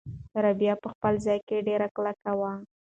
رابعه په خپل ځای کې ډېره کلکه وه.